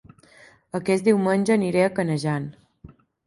Aquest diumenge aniré a Canejan